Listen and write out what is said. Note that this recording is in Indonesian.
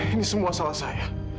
ini semua salah saya